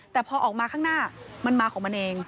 แต่พอออกมาข้างหน้ามันมาของมันเอง